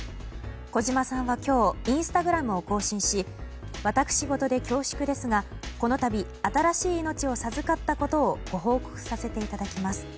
小島さんは今日、インスタグラムを更新し私事で恐縮ですが、この度新しい命を授かったことをご報告させていただきます。